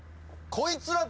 「こいつら」？